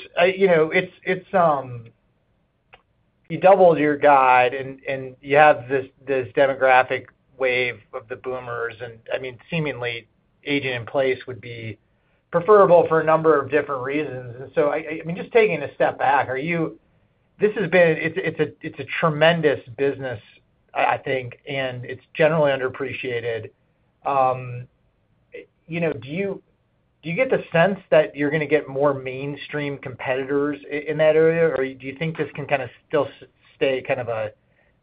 you doubled your guide, and you have this demographic wave of the boomers. I mean, seemingly, aging in place would be preferable for a number of different reasons. I mean, just taking a step back, this has been a tremendous business, I think, and it's generally underappreciated. Do you get the sense that you're going to get more mainstream competitors in that area? Do you think this can kind of still stay kind of a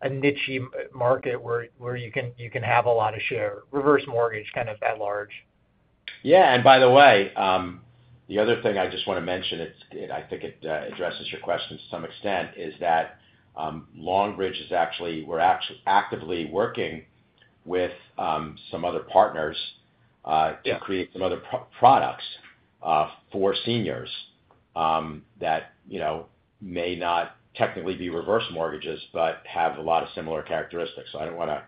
niche market where you can have a lot of share, reverse mortgage kind of at large?
Yeah. By the way, the other thing I just want to mention, I think it addresses your question to some extent, is that Longbridge is actually we're actively working with some other partners to create some other products for seniors that may not technically be reverse mortgages but have a lot of similar characteristics. I do not want to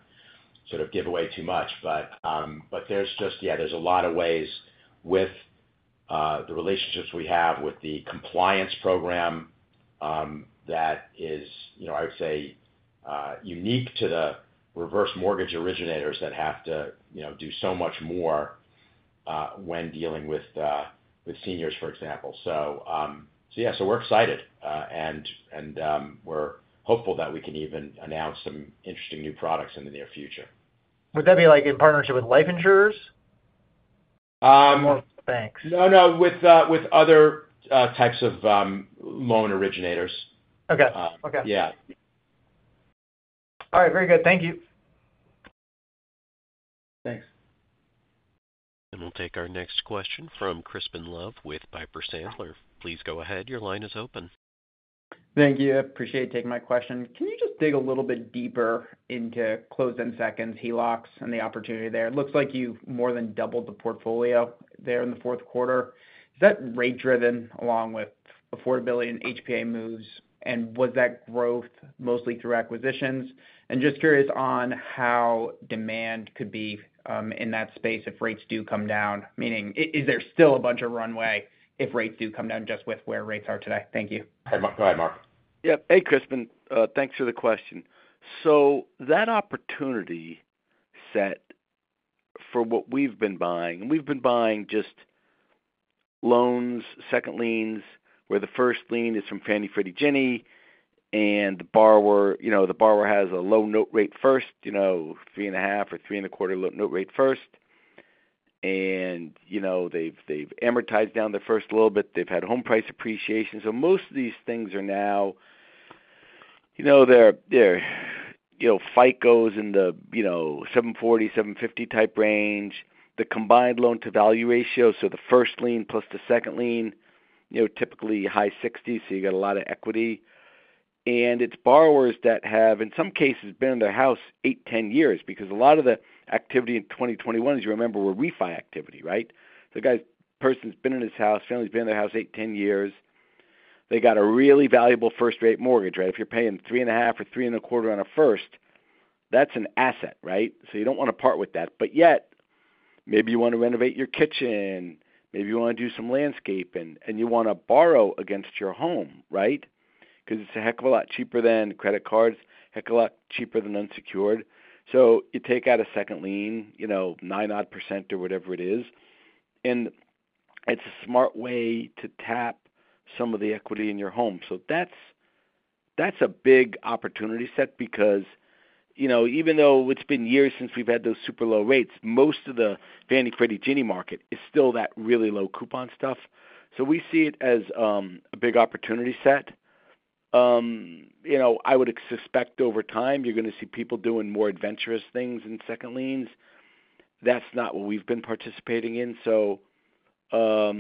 sort of give away too much. Yeah, there are a lot of ways with the relationships we have with the compliance program that is, I would say, unique to the reverse mortgage originators that have to do so much more when dealing with seniors, for example. Yeah. We are excited. We are hopeful that we can even announce some interesting new products in the near future.
Would that be in partnership with life insurers or banks?
No, no. With other types of loan originators.
Okay. Okay. All right. Very good. Thank you.
Thanks.
We will take our next question from Crispin Love with Piper Sandler. Please go ahead. Your line is open.
Thank you. Appreciate you taking my question. Can you just dig a little bit deeper into closed-end seconds, HELOCs, and the opportunity there? It looks like you more than doubled the portfolio there in the fourth quarter. Is that rate-driven along with affordability and HPA moves? Was that growth mostly through acquisitions? I am just curious on how demand could be in that space if rates do come down. Meaning, is there still a bunch of runway if rates do come down just with where rates are today? Thank you.
Go ahead, Marc.
Yeah. Hey, Crispin. Thanks for the question. That opportunity set for what we've been buying, and we've been buying just loans, second liens, where the first lien is from Fannie, Freddie, Ginnie. The borrower has a low note rate first, three and a half or three and a quarter note rate first. They've amortized down their first a little bit. They've had home price appreciation. Most of these things are now, their FICOs are in the 740, 750 type range. The combined loan-to-value ratio, so the first lien plus the second lien, typically high 60s. You got a lot of equity. It's borrowers that have, in some cases, been in their house 8, 10 years because a lot of the activity in 2021, as you remember, was refi activity, right? The person's been in his house, family's been in their house 8, 10 years. They got a really valuable first-rate mortgage, right? If you're paying 3.5% or 3.25% on a first, that's an asset, right? You don't want to part with that. Yet, maybe you want to renovate your kitchen. Maybe you want to do some landscaping. You want to borrow against your home, right? Because it's a heck of a lot cheaper than credit cards, heck of a lot cheaper than unsecured. You take out a second lien, 9% odd or whatever it is. It's a smart way to tap some of the equity in your home. That's a big opportunity set because even though it's been years since we've had those super low rates, most of the Fannie, Freddie, Ginnie market is still that really low coupon stuff. We see it as a big opportunity set. I would suspect over time, you're going to see people doing more adventurous things in second liens. That's not what we've been participating in. For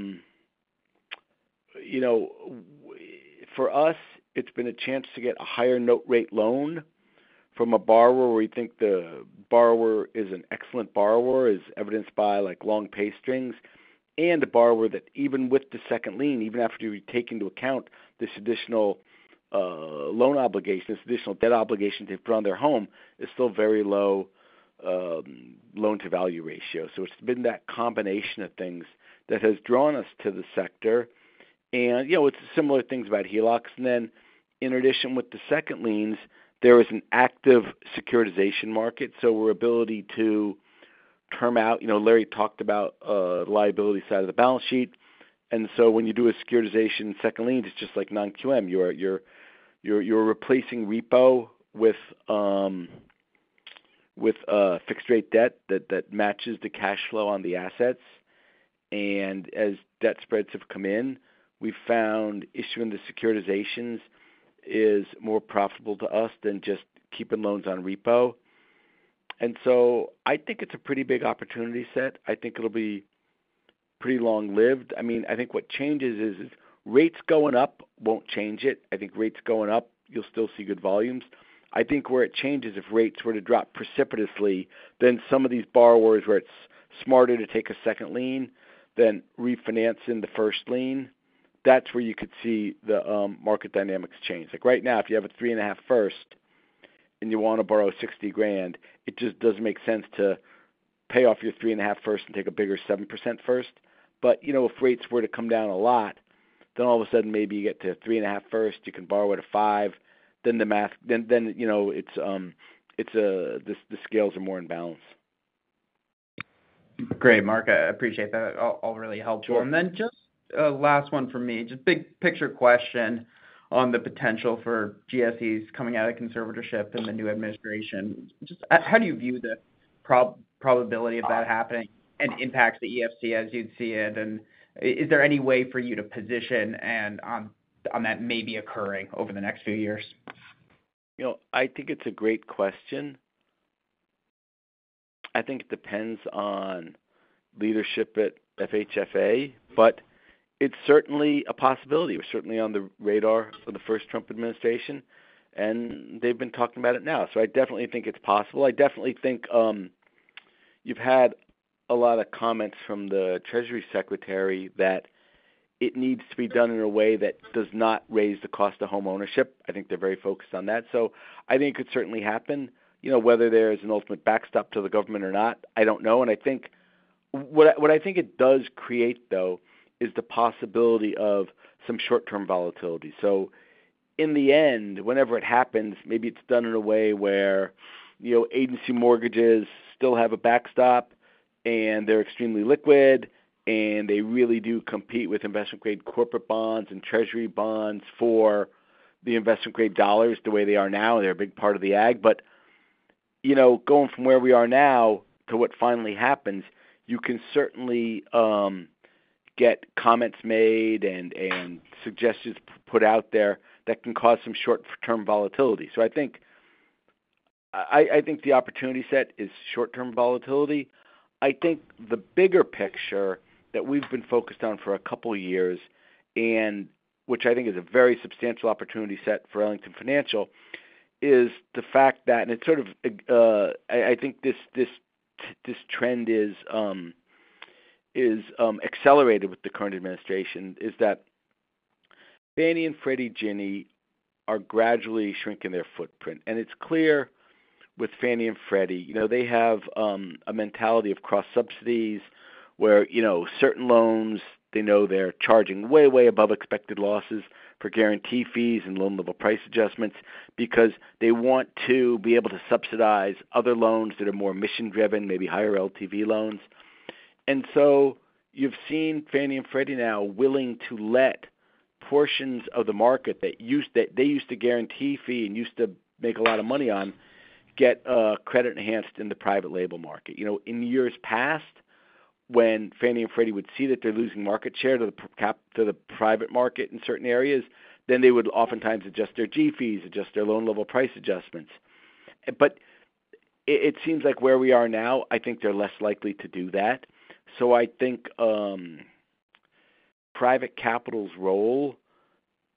us, it's been a chance to get a higher note rate loan from a borrower where we think the borrower is an excellent borrower, as evidenced by long pay strings, and a borrower that even with the second lien, even after you take into account this additional loan obligation, this additional debt obligation they've put on their home, is still very low loan-to-value ratio. It's been that combination of things that has drawn us to the sector. It's similar things about HELOCs. In addition, with the second liens, there is an active securitization market. We're able to term out. Larry talked about liability side of the balance sheet. When you do a securitization second liens, it's just like non-QM. You're replacing repo with fixed-rate debt that matches the cash flow on the assets. As debt spreads have come in, we've found issuing the securitizations is more profitable to us than just keeping loans on repo. I think it's a pretty big opportunity set. I think it'll be pretty long-lived. I mean, I think what changes is rates going up won't change it. I think rates going up, you'll still see good volumes. I think where it changes, if rates were to drop precipitously, then some of these borrowers where it's smarter to take a second lien than refinancing the first lien, that's where you could see the market dynamics change. Right now, if you have a 3.5% first and you want to borrow $60,000, it just doesn't make sense to pay off your 3.5% first and take a bigger 7% first. If rates were to come down a lot, then all of a sudden, maybe you get to a 3.5% first, you can borrow at a 5%, then the scales are more in balance.
Great, Marc. I appreciate that. All really helpful. Just last one for me. Just big picture question on the potential for GSEs coming out of conservatorship in the new administration. Just how do you view the probability of that happening and impact to EFC as you'd see it? Is there any way for you to position on that maybe occurring over the next few years?
I think it's a great question. I think it depends on leadership at FHFA, but it's certainly a possibility. We're certainly on the radar for the first Trump administration. They've been talking about it now. I definitely think it's possible. I definitely think you've had a lot of comments from the Treasury Secretary that it needs to be done in a way that does not raise the cost of homeownership. I think they're very focused on that. I think it could certainly happen. Whether there is an ultimate backstop to the government or not, I don't know. What I think it does create, though, is the possibility of some short-term volatility. In the end, whenever it happens, maybe it's done in a way where agency mortgages still have a backstop, and they're extremely liquid, and they really do compete with investment-grade corporate bonds and Treasury bonds for the investment-grade dollars the way they are now. They're a big part of the ag. Going from where we are now to what finally happens, you can certainly get comments made and suggestions put out there that can cause some short-term volatility. I think the opportunity set is short-term volatility. I think the bigger picture that we've been focused on for a couple of years, which I think is a very substantial opportunity set for Ellington Financial, is the fact that—and it's sort of—I think this trend has accelerated with the current administration—is that Fannie and Freddie, Ginnie are gradually shrinking their footprint. It's clear with Fannie and Freddie. They have a mentality of cross-subsidies where certain loans, they know they're charging way, way above expected losses for guarantee fees and loan-level price adjustments because they want to be able to subsidize other loans that are more mission-driven, maybe higher LTV loans. You have seen Fannie and Freddie now willing to let portions of the market that they used to guarantee fee and used to make a lot of money on get credit-enhanced in the private label market. In years past, when Fannie and Freddie would see that they're losing market share to the private market in certain areas, they would oftentimes adjust their G fees, adjust their loan-level price adjustments. It seems like where we are now, I think they're less likely to do that. I think private capital's role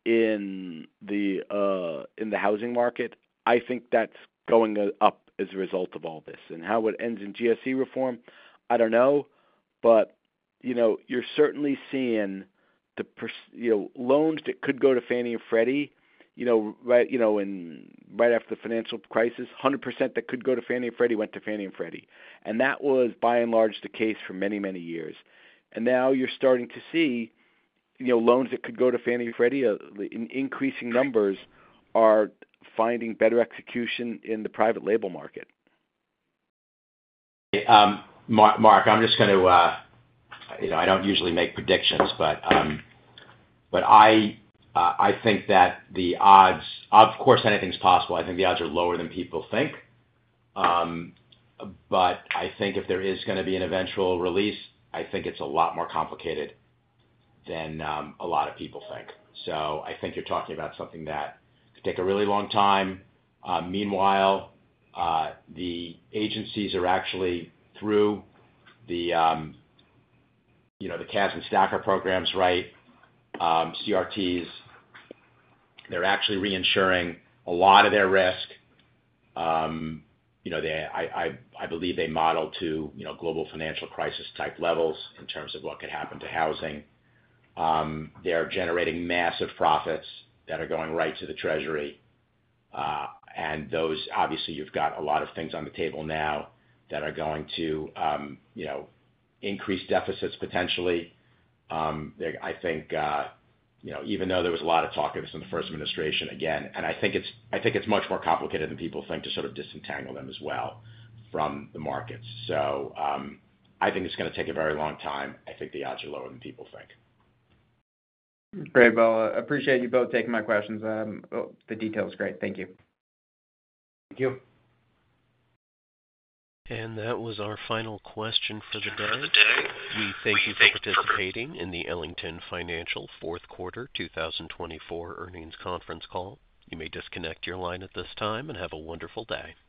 in the housing market, I think that's going up as a result of all this. How it ends in GSE reform, I don't know. You're certainly seeing the loans that could go to Fannie and Freddie right after the financial crisis, 100% that could go to Fannie and Freddie went to Fannie and Freddie. That was, by and large, the case for many, many years. Now you're starting to see loans that could go to Fannie and Freddie in increasing numbers are finding better execution in the private label market.
Mark, I'm just going to—I don't usually make predictions, but I think that the odds—of course, anything's possible. I think the odds are lower than people think. I think if there is going to be an eventual release, I think it's a lot more complicated than a lot of people think. I think you're talking about something that could take a really long time. Meanwhile, the agencies are actually through the CAS and STACR programs, right, CRTs. They're actually reinsuring a lot of their risk. I believe they model to global financial crisis type levels in terms of what could happen to housing. They're generating massive profits that are going right to the Treasury. Obviously, you've got a lot of things on the table now that are going to increase deficits potentially. I think even though there was a lot of talk of this in the first administration, again, I think it's much more complicated than people think to sort of disentangle them as well from the markets. I think it's going to take a very long time. I think the odds are lower than people think.
Great. I appreciate you both taking my questions. The detail is great. Thank you.
Thank you.
That was our final question for the day. We thank you for participating in the Ellington Financial Fourth Quarter 2024 Earnings Conference Call. You may disconnect your line at this time and have a wonderful day.